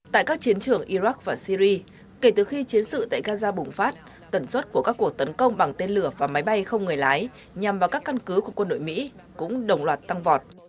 tại các chiến trường iraq và syri kể từ khi chiến sự tại gaza bùng phát tần suất của các cuộc tấn công bằng tên lửa và máy bay không người lái nhằm vào các căn cứ của quân đội mỹ cũng đồng loạt tăng vọt